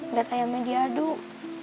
udah tayamnya diaduk